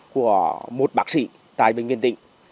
của một bác sĩ tại bệnh viện tỉnh